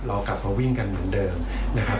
เรากลับมาวิ่งกันเหมือนเดิมนะครับ